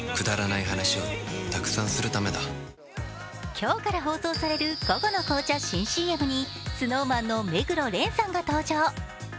今日から放送される午後の紅茶新ＣＭにＳｎｏｗＭａｎの目黒蓮さんが登場。